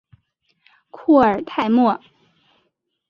库尔泰莫。